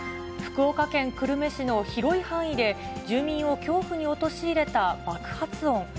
福岡県久留米市の広い範囲で、住民を恐怖に陥れた爆発音。